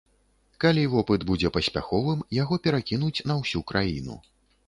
Калі вопыт будзе паспяховым, яго перакінуць на ўсю краіну.